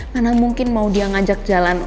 karena mungkin mau dia ngajak jalan